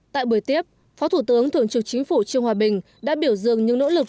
tại buổi tiếp phó thủ tướng thường trực chính phủ trương hòa bình đã biểu dương những nỗ lực